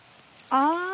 ああ。